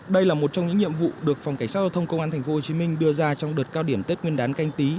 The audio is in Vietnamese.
đây là một trong những nhiệm vụ được phòng cảnh sát giao thông công an tp hcm đưa ra trong đợt cao điểm tết nguyên đán canh tí